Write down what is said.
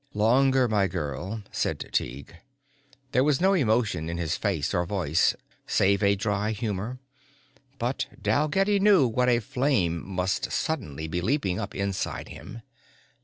"Longer, my girl," said Tighe. There was no emotion in his face or voice save a dry humor, but Dalgetty knew what a flame must suddenly be leaping up inside him.